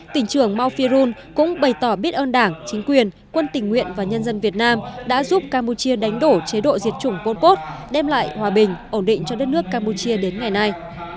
tỉnh trưởng maufi run cũng bày tỏ biết ơn đảng chính quyền quân tình nguyện và nhân dân việt nam đã giúp campuchia đánh đổ chế độ diệt chủng pol pot đem lại hòa bình ổn định cho đất nước campuchia đến ngày nay